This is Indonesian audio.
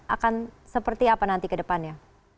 akan seperti apa nanti ke depannya